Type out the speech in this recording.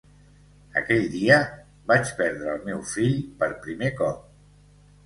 Aquell dia vaig perdre el meu fill per primer cop.